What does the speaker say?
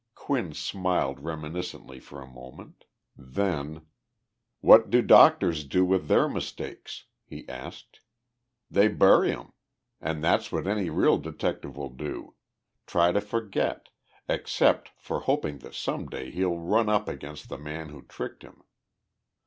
Quinn smiled reminiscently for a moment. Then, "What do doctors do with their mistakes?" he asked. "They bury 'em. And that's what any real detective will do try to forget, except for hoping that some day he'll run up against the man who tricked him.